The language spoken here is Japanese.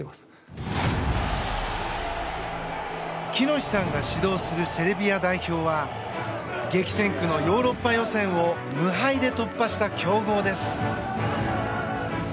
喜熨斗さんが指導するセルビア代表は激戦区のヨーロッパ予選を無敗で突破した強豪です。